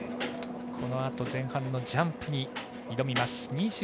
このあと前半のジャンプに挑みます。